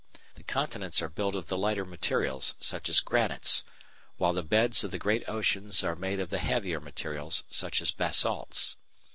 The continents are built of the lighter materials, such as granites, while the beds of the great oceans are made of the heavier materials such as basalts.